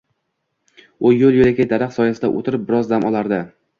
U yoʻl-yoʻlakay daraxt soyasida oʻtirib biroz dam olardi.